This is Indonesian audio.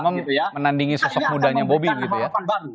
pertama menandingi sosok mudanya bobi gitu ya